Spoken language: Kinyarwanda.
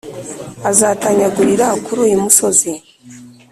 Azatanyagurira kuri uyu musozi,